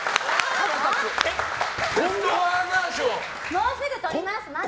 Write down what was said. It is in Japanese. もうすぐとりますから！